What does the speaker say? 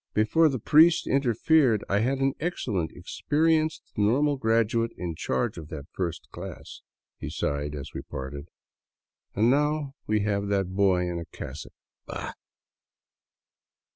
..."" Before the priests interfered I had an excellent experienced normal graduate in charge of that first class," he sighed as we parted, " and now we have that boy in a cassock. Bah